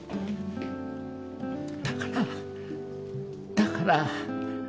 だからだから。